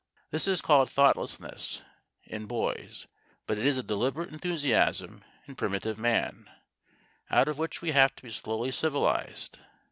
This is called thoughtlessness in boys, but it is a deliberate enthusiasm in primitive man, out of which we have to be slowly civilised.